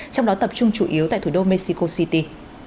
trong đó tập trung chủ yếu tại thủ đô mexico city